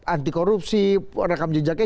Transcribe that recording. anti korupsi rekam jejaknya